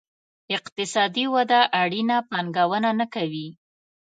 اقتصادي وده اړینه پانګونه نه کوي.